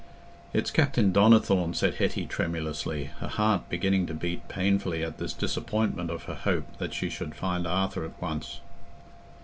"It's Captain Donnithorne," said Hetty tremulously, her heart beginning to beat painfully at this disappointment of her hope that she should find Arthur at once.